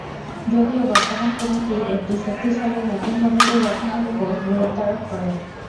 যদিও বর্তমান কমিটি একটি শক্তিশালী নতুন কমিটি গঠনের ওপর গুরুত্বারোপ করে।